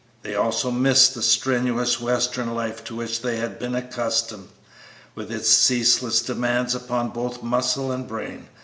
They also missed the strenuous western life to which they had been accustomed, with its ceaseless demands upon both muscle and brain.